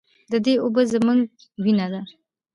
د دې اوبه زموږ وینه ده